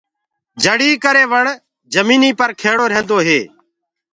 پهآڙينٚ ڪري وڻ جميٚنيٚ پر کيڙو رهيندو هي۔